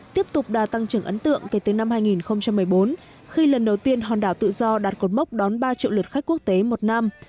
tiếp tục đà tăng trưởng ấn tượng kể từ năm hai nghìn một mươi bốn khi lần đầu tiên hòn đảo tự do đạt cột mốc đón ba triệu lượt khách quốc tế một năm